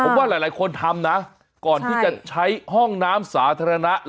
ผมว่าหลายคนทำนะก่อนที่จะใช้ห้องน้ำสาธารณะ